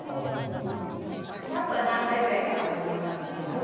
タップは何歳ぐらいからお始めになったんですか？